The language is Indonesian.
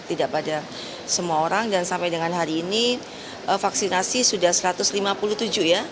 tidak pada semua orang dan sampai dengan hari ini vaksinasi sudah satu ratus lima puluh tujuh ya